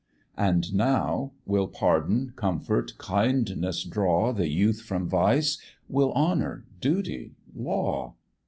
And now will pardon, comfort, kindness draw The youth from vice? will honour, duty, law?